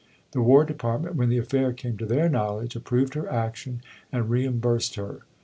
The War Department, when the affair came to their knowledge, approved her action, and reimbursed her.